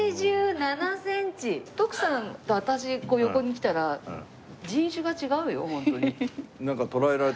徳さんと私こう横に来たら人種が違うよホントに。